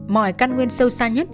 mọi căn nguyên sâu xa nhất